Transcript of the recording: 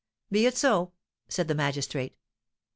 "Be it so," said the magistrate.